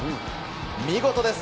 見事です。